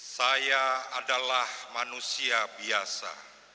saya adalah manusia biasa